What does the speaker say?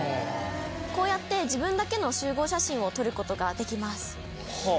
こうやって自分だけの集合写真を撮ることができます。はぁ。